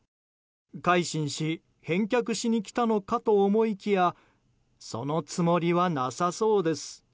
改心し返却しに来たのかと思いきやそのつもりはなさそうです。